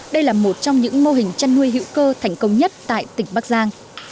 đây là một trong những mô hình chăn nuôi hữu cơ thành công nhất tại tỉnh bắc giang